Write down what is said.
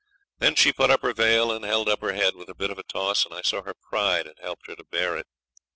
Then she put up her veil and held up her head with a bit of a toss, and I saw her pride had helped her to bear it.